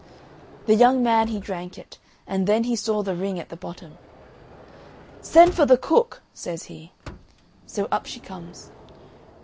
The young man he drank it and then he saw the ring at the bottom. "Send for the cook," says he. So up she comes.